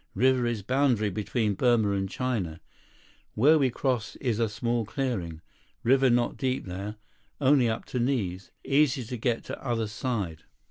River is boundary between Burma and China. Where we cross is a small clearing. River not deep there. Only up to knees. Easy to get to other side."